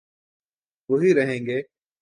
وہی رہیں گے۔